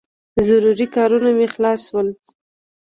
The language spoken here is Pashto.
ضروري کارونه مې خلاص شول.